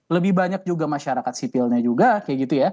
lebih banyak juga masyarakat sipilnya juga kayak gitu ya